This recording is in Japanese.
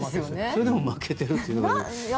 それでも負けてるというのが。